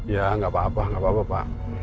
ya gak apa apa pak